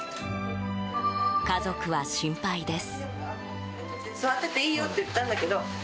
家族は心配です。